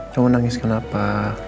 kamu nangis kenapa